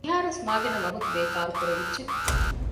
މިހާރުވެސް މާގިނަ ވަގުތު ބޭކާރު ކުރެވިއްޖެ